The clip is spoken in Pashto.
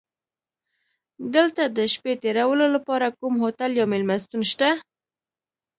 دلته د شپې تېرولو لپاره کوم هوټل یا میلمستون شته؟